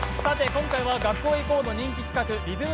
今回は「学校へ行こう！」の人気企画、リズム